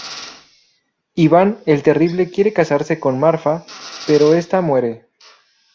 Iván el Terrible quiere casarse con Marfa, pero esta muere.